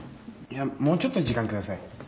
もうちょっと時間ください。